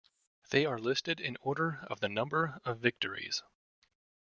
They are listed in order of the number of victories.